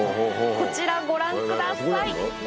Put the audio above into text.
こちらご覧ください。